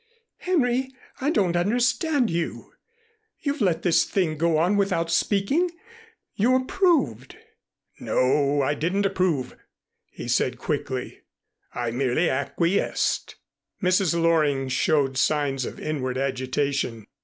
"Henry, I don't understand you. You've let this thing go on without speaking. You approved " "No, I didn't approve," he said quickly. "I merely acquiesced." Mrs. Loring showed signs of inward agitation.